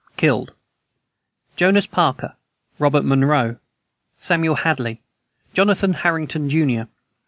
Killed: Jonas Parker, Robert Monroe, Samuel Hadley, Jonathan Harrington, jr.